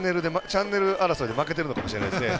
チャンネル争いで負けているのかもしれないですね。